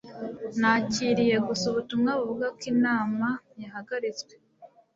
nakiriye gusa ubutumwa buvuga ko inama yahagaritswe